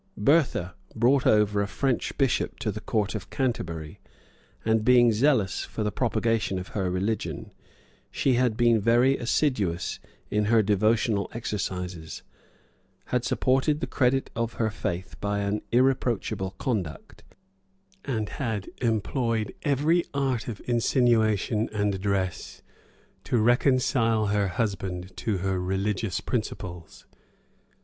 [*] Bertha brought over a French bishop to the court of Canterbury; and being zealous for the propagation of her religion, she had been very assiduous in her devotional exercises, had supported the credit of her faith by an irreproachable conduct, and had employed every an of insinuation and address to reconcile her husband to her religious principles.